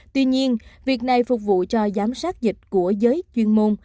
tuy nhiên việc này phục vụ cho giám sát dịch của giới chuyên môn